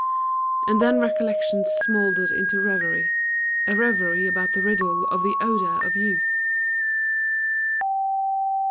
And then recollection smouldered into revery, a revery about the riddle of the odor of youth.